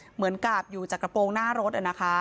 เหมือนกับอยู่จากกระโปรงหน้ารถนะคะ